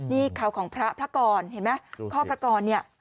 นี่เขาของพระพระกรเห็นไหมข้อพระกรเนี่ย